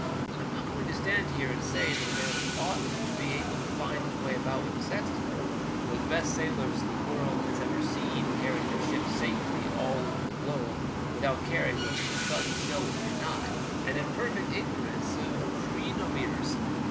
I'm not going to stand here and say that a man oughtn't to be able to find his way about with a sextant, though the best sailors the world has ever seen carried their ships safely all over the globe without caring whether the sun shone or not, 178 WEEVW8 LECTURE. and in perfect ignorance of chreenometers.